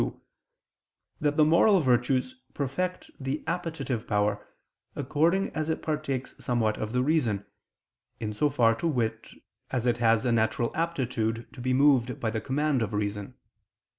2), that the moral virtues perfect the appetitive power according as it partakes somewhat of the reason, in so far, to wit, as it has a natural aptitude to be moved by the command of reason.